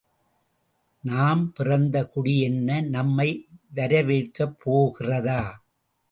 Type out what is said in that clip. நாம் பிறந்த குடி என்ன நம்மை வரவேற்கப்போகிறதா?